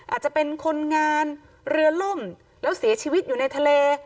อาจจะเป็นคนงานเรือล่มแล้วเสียชีวิตอยู่ในทะเล